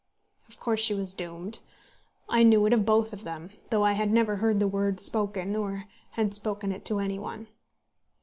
Of course she was doomed. I knew it of both of them, though I had never heard the word spoken, or had spoken it to any one.